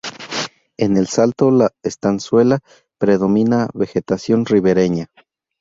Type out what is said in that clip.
En el Salto La Estanzuela predomina vegetación ribereña.